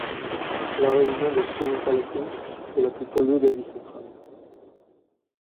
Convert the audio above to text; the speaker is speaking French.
La région de Semipalatinsk est la plus polluée d'Asie centrale.